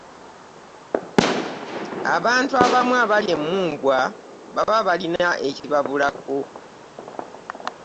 Abantu abamu abalya emmumbwa baba balina ekibabulako.